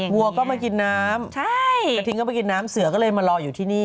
วัวก็มากินน้ำใช่กระทิงก็ไปกินน้ำเสือก็เลยมารออยู่ที่นี่